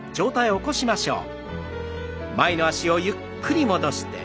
起こしましょう。